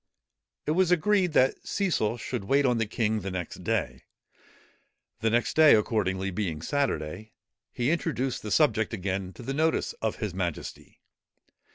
It was agreed that Cecil should wait on the king the next day. The next day, accordingly, being Saturday, he introduced the subject again to the notice of his majesty.